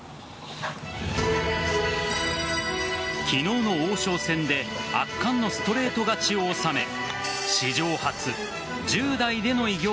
昨日の王将戦で圧巻のストレート勝ちを収め